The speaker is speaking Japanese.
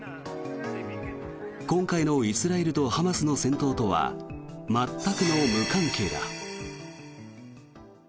今回のイスラエルとハマスの戦闘とは全くの無関係だ。